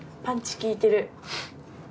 パンチ効いてる。